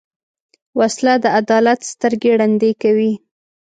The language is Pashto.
وسله د عدالت سترګې ړندې کوي